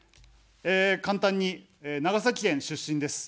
簡単に、長崎県出身です。